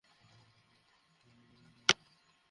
নাম ম্যাকিনা ডি কডাভাস।